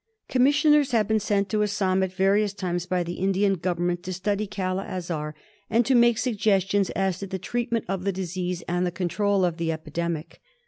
Commissioners have been sent to Assam at various times by the Indian Government to study Kala Azar, and KALA AZAR. 137 to make suggestions as to the treatment of the disease and the control of the epidemic.